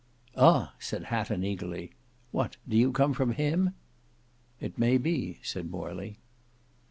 "Ah!" said Hatton, eagerly, "what, do you come from him?" "It may be," said Morley.